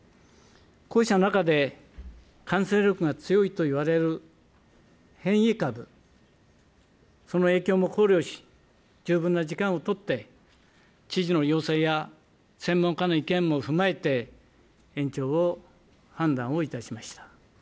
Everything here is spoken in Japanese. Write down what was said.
こうした中で感染力が強いと言われる変異株、その影響も考慮し、十分な時間を取って知事の要請や専門家の意見も踏まえて、延長を判断をいたしました。